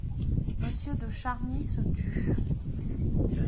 Monsieur de Charny se tut.